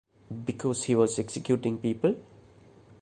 Because he was executing people?